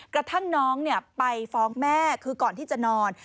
กระทั่งน้องไปฟ้องแม่คือก่อนที่จะนอน